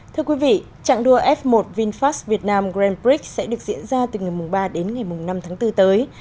thưa quý vị trạng đua f một vinfast việt nam grand prix sẽ được diễn ra từ ngày ba đến ngày năm tháng bốn tới